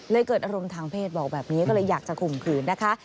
เกิดอารมณ์ทางเพศบอกแบบนี้ก็เลยอยากจะข่มขืนนะคะ